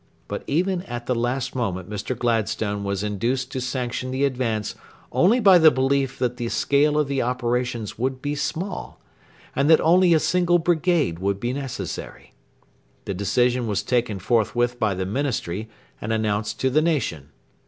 But even at the last moment Mr. Gladstone was induced to sanction the advance only by the belief that the scale of the operations would be small, and that only a single brigade would be necessary. The decision was taken forthwith by the Ministry and announced to the nation.